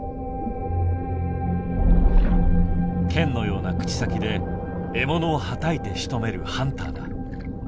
剣のような口先で獲物をはたいてしとめるハンターだ。